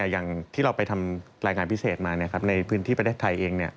อย่างที่เราไปทำรายงานพิเศษมาในพื้นที่ประเทศไทยเอง